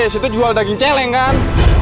di situ jual daging celeng kan